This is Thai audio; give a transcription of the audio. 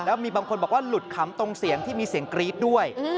แล้วมีบางคนบอกว่าหลุดขำตรงเสียงที่มีเสียงกรี๊ดด้วย